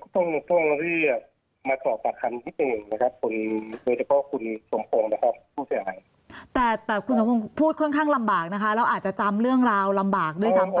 คุณสมพงษ์พูดค่อนข้างลำบากนะคะเราอาจจะจำเรื่องราวลำบากด้วยซ้ำไป